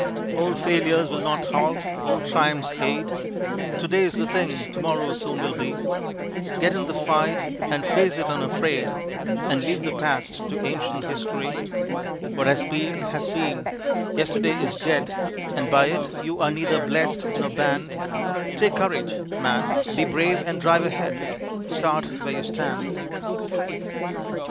Old failures will not halt, old triumphs aid, To day's the thing, to morrow soon will be; Get in the fight and face it unafraid, And leave the past to ancient history; What has been, has been; yesterday is dead And by it you are neither blessed nor banned, Take courage, man, be brave and drive ahead, Start where you stand.